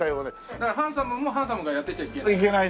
だからはんさむもハンサムがやってちゃいけない。